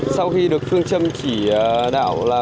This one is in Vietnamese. sau khi được phương châm chỉ đạo là